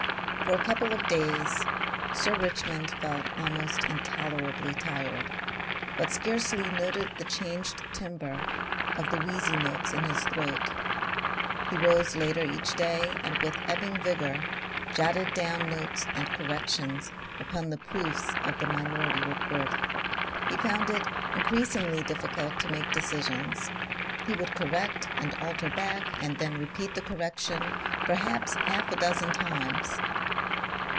For a couple of days Sir Richmond felt almost intolerably tired, but scarcely noted the changed timbre of the wheezy notes in his throat. He rose later each day and with ebbing vigour, jotted down notes and corrections upon the proofs of the Minority Report. He found it increasingly difficult to make decisions; he would correct and alter back and then repeat the correction, perhaps half a dozen times.